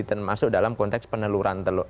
termasuk dalam konteks peneluran teluk